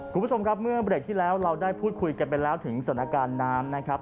คุณผู้ชมครับเมื่อเบรกที่แล้วเราได้พูดคุยกันไปแล้วถึงสถานการณ์น้ำนะครับ